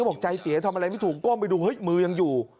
บอกใจเสียทำอะไรไม่ถูกก้มไปดูเฮ้ยมือยังอยู่